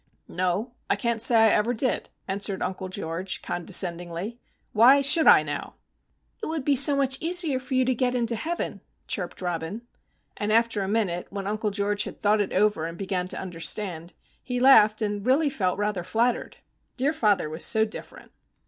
"No; I can't say I ever did," answered Uncle George, condescendingly. "Why should I, now?" "It would be so much easier for you to get into heaven," chirped Robin. And, after a minute, when Uncle George had thought it over and began to understand, he laughed and really felt rather flattered. Dear father was so different!